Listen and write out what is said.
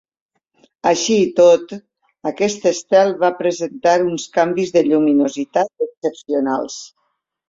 Així i tot, aquest estel va presentar uns canvis de lluminositat excepcionals.